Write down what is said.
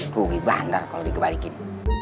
rugi bandar kalau dikebaikin